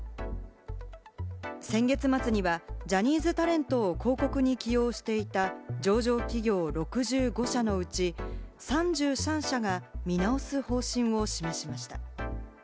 先月末にはジャニーズタレントを広告に起用していた上場企業６５社のうち、３３社が見直す方針を決めました。